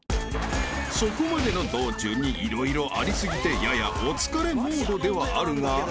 ［そこまでの道中に色々あり過ぎてややお疲れモードではあるが］